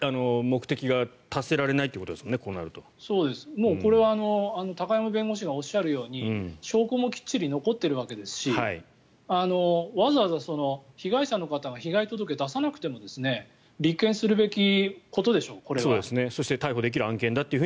もう、これは高山弁護士がおっしゃるように証拠もきっちり残っているわけですしわざわざ被害者の方が被害届を出さなくても立件するべきことでしょ